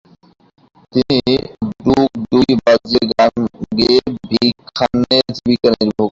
তিনি ডুগডুগি বাজিয়ে গান গেয়ে ভিক্ষান্নে জীবিকা নির্বাহ করতেন।